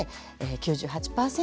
９８％？